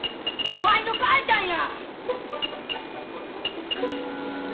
わいの母ちゃんや！